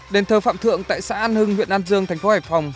đền thờ phạm thượng tại xã an hưng huyện an dương thành phố hải phòng